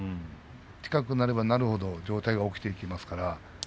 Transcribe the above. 近くなればなるほど上体が起きていきますから。